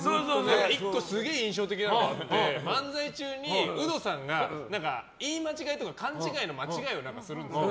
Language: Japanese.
１個すげえ印象的なのあって漫才中にウドさんが言い間違えとか勘違いの間違いをするんですよ。